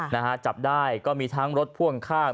นะฮะจับได้ก็มีทั้งรถพ่วงข้าง